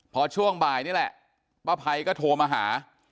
พอช่วงบ่ายนี่แหละป้าภัยก็โทรมาหา